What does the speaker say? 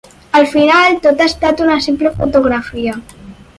Al final tot ha estat una simple fotografia.